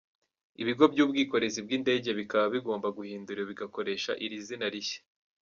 Ibigo by’ubwikorezi bw’indege bikaba bigomba guhindura bigakoresha iri zina rishya.